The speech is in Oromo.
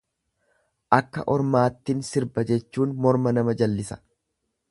Akka ormaattin sirba jechuun morma nama jallisa.